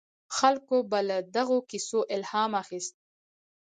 خلکو به له دغو کیسو الهام اخیست.